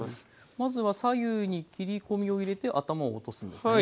まずは左右に切り込みを入れて頭を落とすんですね。